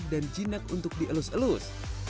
dan jinak untuk dielus elus